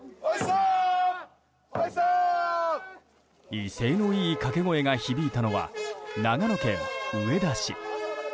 威勢のいい掛け声が響いたのは長野県上田市。